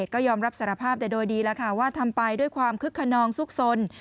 ก็ยอมรับสารภาพแต่โดยดีแล้วค่ะว่าทำไปด้วยความคึกขนองซุกสน